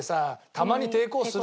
たまに抵抗する。